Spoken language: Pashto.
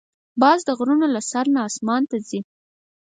باز د غرونو له سر نه آسمان ته ځي